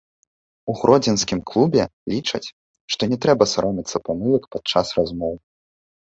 У гродзенскім клубе лічаць, што не трэба саромецца памылак падчас размоў.